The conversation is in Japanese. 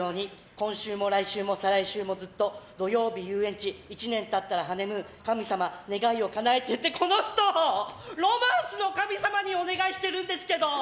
今週も来週も再来週もずっと土曜日、遊園地１年経ったらハネムーン神様、願いをかなえてってこの人、ロマンスの神様にお願いしてるんですけど！